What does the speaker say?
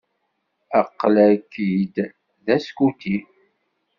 Aql-ak-id d askuti.